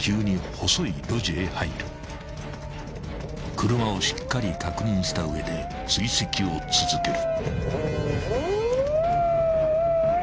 ［車をしっかり確認した上で追跡を続ける］